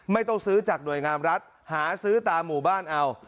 ไม่ต้องซื้อจากหน่วยงามรัฐหาซื้อตามหมู่บ้านเอา